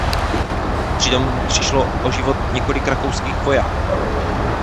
Přitom přišlo o život několik rakouských vojáků.